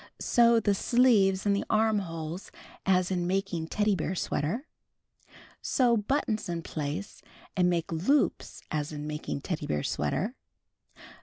Sew the sleeves in the armholes as in making Teddy Bear Sweater (see page 133). Sew ])uttons in place and make loops as in making Teddy Bear Sweater.